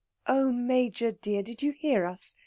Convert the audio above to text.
"Oh, Major dear, did you hear us?